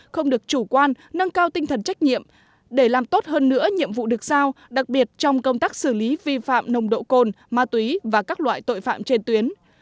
không được chủ quan nâng cao tinh thần trách nhiệm để làm tốt hơn nữa nhiệm vụ được sao đặc biệt trong công tác xử lý vi phạm nồng độ cồn ma túy và các loại tội phạm trên tuyến